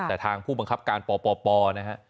แต่ทางผู้บังคับการปปนะฮะ